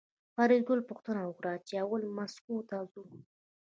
فریدګل پوښتنه وکړه چې اول مسکو ته ځو